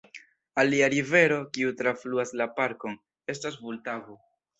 Alia rivero, kiu trafluas la parkon, estas Vultavo.